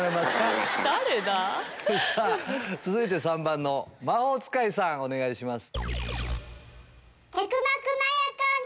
続いて３番の魔法使いさんお願いします。